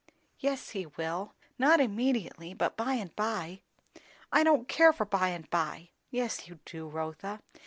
"Yes, he will. Not immediately, but by and by." "I don't care for by and by." "Yes you do, Rotha.